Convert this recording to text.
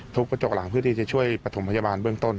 กระจกหลังเพื่อที่จะช่วยประถมพยาบาลเบื้องต้น